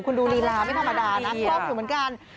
คุณดูรีลาไม่ธรรมดานะพวกเห็นเหมือนกัน